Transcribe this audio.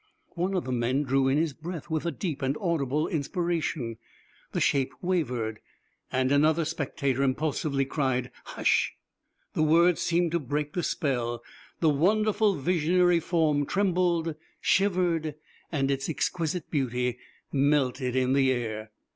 One of the men drew in his breath with a deep and audible inspiration. The shape wavered, and another spectator impulsively cried "Hush!" The word seemed to break the spell. The wonderful visionary form trembled, shivered, and its exquisite beauty melted in the air.